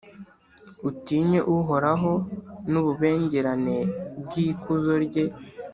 utinye Uhoraho n’ububengerane bw’ikuzo rye.